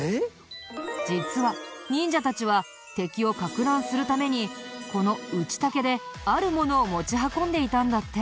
実は忍者たちは敵をかく乱するためにこの打竹であるものを持ち運んでいたんだって。